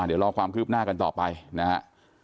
เดี๋ยวรอความคืบหน้ากันต่อไปนะฮะ